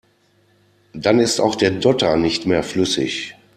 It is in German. Dann ist auch der Dotter nicht mehr flüssig.